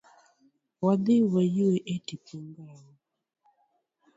Wadhi wa yue e tipo ngowu.